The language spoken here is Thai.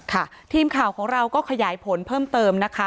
ค่ะทีมข่าวของเราก็ขยายผลเพิ่มเติมนะคะ